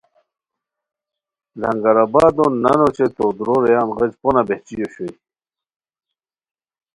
لنگرآبادو نانو اوچے تو دُورو رویان غیچ پونہ بہچی اوشوئے